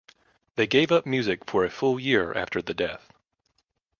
They gave up music for a full year after the death.